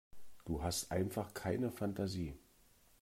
Du hast einfach keine Fantasie.